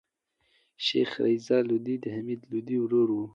شېخ رضي لودي دحمید لودي وراره وو.